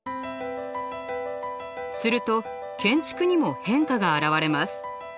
すると建築にも変化が現れます。